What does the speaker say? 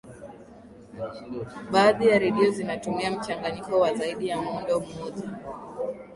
baadhi ya redio zinatumia mchanganyiko wa zaidi ya muundo mmoja